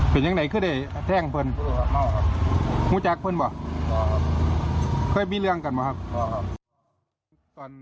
เป็นอย่างไหนขึ้นเนี่ยแท่งเพลิน